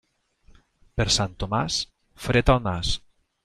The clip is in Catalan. Per Sant Tomàs, fred al nas.